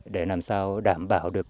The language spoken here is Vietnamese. để làm sao đảm bảo được